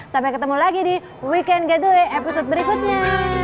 sampai ketemu lagi di we can get away episode berikutnya